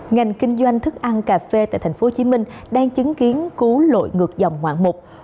ngành kinh doanh thức ăn cà phê tại tp hcm đang chứng kiến cú lội ngược dòng ngạn mục